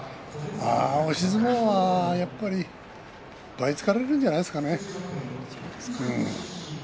押し相撲は、やっぱり倍、疲れるんじゃないですかね。